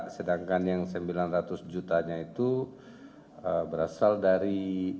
sedangkan yang sembilan ratus jutanya itu berasal dari